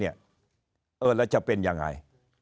แล้วจะเป็นยังไง